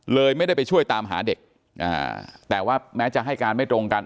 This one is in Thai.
ไม่ได้ไปช่วยตามหาเด็กแต่ว่าแม้จะให้การไม่ตรงกัน